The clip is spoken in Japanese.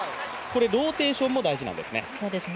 ローテーションも大事なんですね。